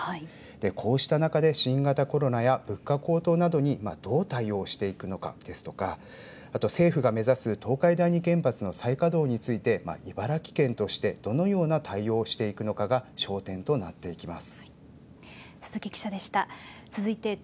こうした中で新型コロナや物価高騰などにどう対応していくのかですとかあと、政府が目指す東海第二原発の再稼働について茨城県としてどのような対応をしていくのかが焦点となっていきます。